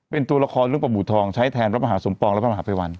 เป็นตัวละครเรื่องประหมู่ทองใช้แทนรับมหาสมปองรับมหาเผยวัน